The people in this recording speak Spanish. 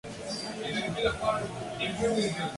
Hay un procedimiento estándar y el ritmo para este masaje.